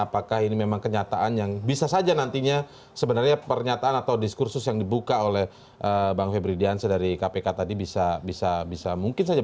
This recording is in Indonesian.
apakah ini memang kenyataan yang bisa saja nantinya sebenarnya pernyataan atau diskursus yang dibuka oleh bang febri diansa dari kpk tadi bisa mungkin saja